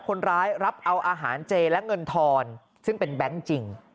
คนร้ายรับเอาอาหารเจและเงินทอนซึ่งเป็นแบงค์จริง